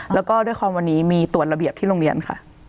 แล้วก็ด้วยความวันนี้มีตรวจระเบียบที่โรงเรียนค่ะ